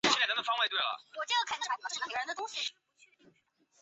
沮渠秉卢水胡人。